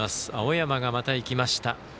宮本がまたいきました。